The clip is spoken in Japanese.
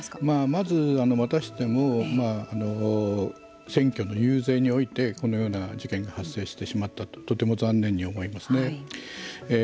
まずまたしても選挙の遊説においてこのような事件が発生してしまったのはとても残念に思いますね。